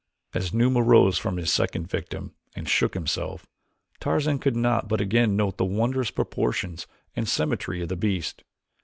As Numa rose from his second victim and shook himself, Tarzan could not but again note the wondrous proportions and symmetry of the beast.